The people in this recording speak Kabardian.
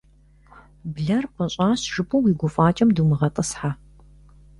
Блэр «пӀыщӀащ» жыпӀэу уи гуфӀакӀэм думыгъэтӀысхьэ.